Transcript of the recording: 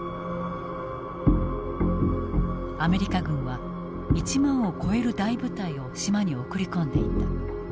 アメリカ軍は１万を超える大部隊を島に送り込んでいた。